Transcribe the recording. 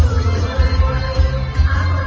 อาคารของเธอ